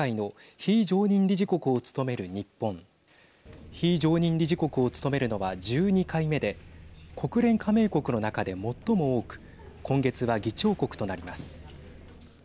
非常任理事国を務めるのは１２回目で国連加盟国の中で最も多く今月は議長国となります。